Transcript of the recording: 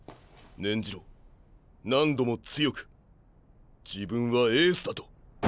念じろ何度も強く“自分はエースだ”と。